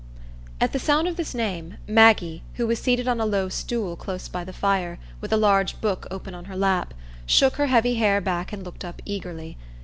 At the sound of this name, Maggie, who was seated on a low stool close by the fire, with a large book open on her lap, shook her heavy hair back and looked up eagerly.